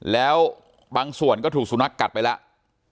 แล้วบางส่วนก็ถูกสุนัขกัดไปแล้ว